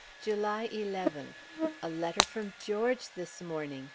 July 11th. A letter from George this morning!